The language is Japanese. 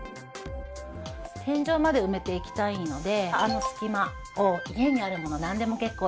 天井まで埋めていきたいのであの隙間を家にある物なんでも結構です